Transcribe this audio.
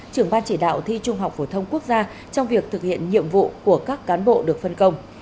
trưởng ban chỉ đạo thi trung học phổ thông quốc gia trong việc thực hiện nhiệm vụ của các cán bộ được phân công